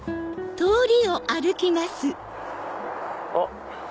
あっ。